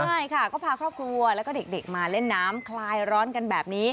ใช่ค่ะก็พาครอบครัวแล้วก็เด็กมาเล่นน้ำคลายร้อนกันแบบนี้